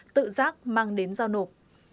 tự giác mang đến giao nộp